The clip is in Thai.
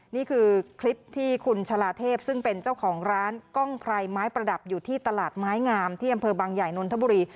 นี่คือคลิปที่คุณชะลาเทพซึ่งเป็นเจ้าของร้านกล้องไพรไม้ประดับอยู่ที่ตลาดไม้งามที่อำเภอบางใหญ่นนทบุรี